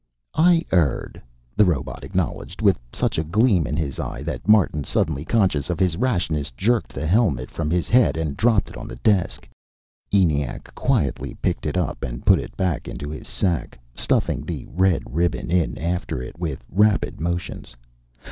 "I erred," the robot acknowledged, with such a gleam in his eye that Martin, suddenly conscious of his rashness, jerked the helmet from his head and dropped it on the desk. ENIAC quietly picked it up and put it back into his sack, stuffing the red ribbon in after it with rapid motions.